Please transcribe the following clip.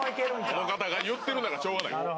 この方が言ってるならしょうがない。